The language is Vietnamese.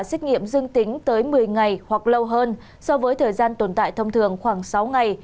xét nghiệm dương tính tới một mươi ngày hoặc lâu hơn so với thời gian tồn tại thông thường khoảng sáu ngày